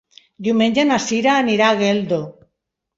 Diumenge na Sira anirà a Geldo.